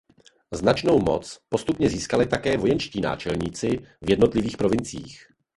Značnou moc postupně získali také vojenští náčelníci v jednotlivých provinciích.